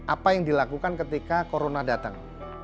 apa yang dilakukan ketika corona datang